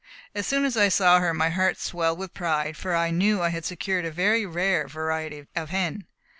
As soon as I saw her, my heart swelled with pride, for I knew I had secured a very rare variety of hen.